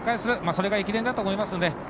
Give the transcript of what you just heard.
それが駅伝だと思いますので。